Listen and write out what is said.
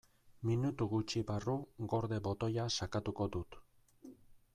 Minutu gutxi barru "gorde" botoia sakatuko dut.